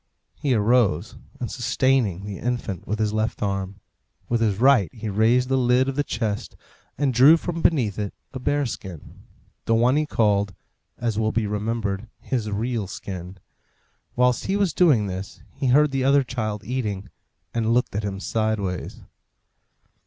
He arose, and sustaining the infant with his left arm, with his right he raised the lid of the chest and drew from beneath it a bear skin the one he called, as will be remembered, his real skin. Whilst he was doing this he heard the other child eating, and looked at him sideways.